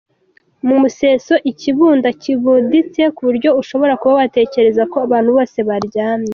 Mu museso, ikibunda kibuditse, ku buryo ushobora kuba watekereza ko abantu bose baryamye.